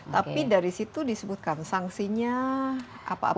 tapi dari situ disebutkan sanksinya apa apa